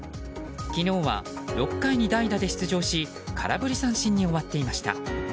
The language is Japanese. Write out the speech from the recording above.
昨日は６回に代打で出場し空振り三振に終わっていました。